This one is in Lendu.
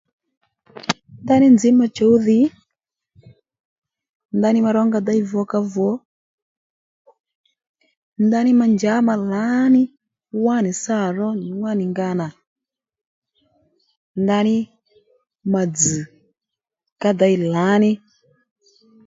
Ndaní nzǐ ma chǔw dhi ndaní ma rónga déy vukávu ndaní ma njǎ ma lǎní wánì sâ ró nyò wánì nga nà ndanà ma dzz ká dey lǎní